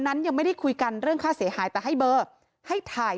นั้นยังไม่ได้คุยกันเรื่องค่าเสียหายแต่ให้เบอร์ให้ถ่าย